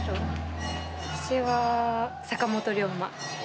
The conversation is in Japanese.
私は坂本龍馬。